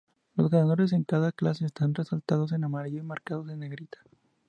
Los ganadores en cada clase están resaltados en amarillo y marcados en negrita.